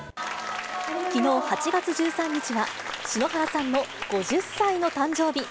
きのう８月１３日は篠原さんの５０歳の誕生日。